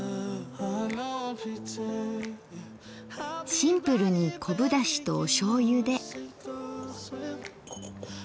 シンプルに昆布だしとお醤油で。